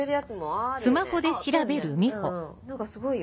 何かすごいよ。